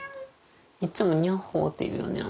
いっつも「ニャッホー」って言うよねあんた。